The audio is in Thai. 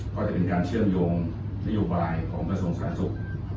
ก็จะเป็นการเชื่อมโยงนโยบายของกระทรวงสาธารณสุข